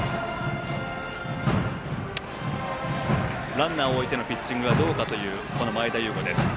ランナーを置いてのピッチングはどうかというこの前田悠伍です。